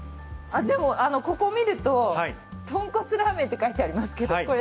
でもここ見るととんこつラーメンって書いてありますけどこれ。